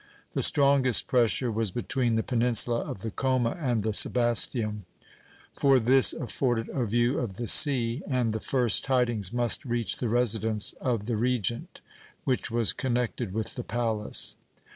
The strongest pressure was between the peninsula of the Choma and the Sebasteum; for this afforded a view of the sea, and the first tidings must reach the residence of the Regent, which was connected with the palace.